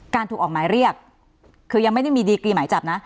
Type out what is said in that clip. ถูกออกหมายเรียกคือยังไม่ได้มีดีกรีหมายจับนะ